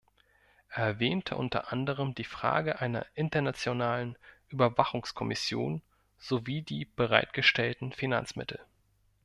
Er erwähnte unter anderem die Frage einer internationalen Überwachungskommission sowie die bereitgestellten Finanzmittel.